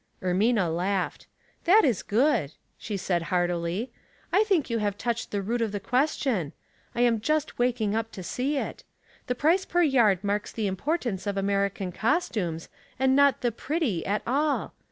Ermina laughed. " That is good," she said, heartily. " I think you have touched the root of the question. I am just waking up to see it. The price per yard marks the importance of American costumes, and not the 'pretty,' at all.